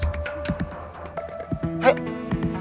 bapak jangan bahas